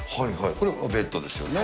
これはベッドですよね。